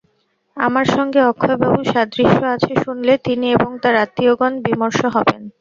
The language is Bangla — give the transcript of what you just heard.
আমার সঙ্গে অক্ষয়বাবুর সাদৃশ্য আছে শুনলে তিনি এবং তাঁর আত্মীয়গণ বিমর্ষ হবেন।